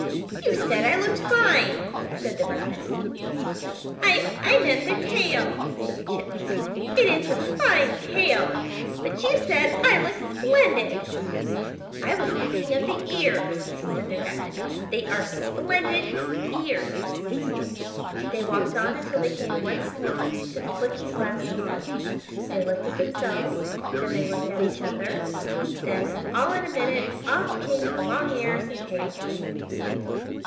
"You said I looked fine!" said the Rabbit. "I—I meant the tail!" said the Chipmunk. "It is a fine tail. But you said I looked splendid!" "I was thinking of the ears!" said the Rabbit. "They are splendid ears." They walked on until they came once more to the looking glass pond. They looked at themselves; then they looked at each other; then, all in a minute, off came the long ears and tail.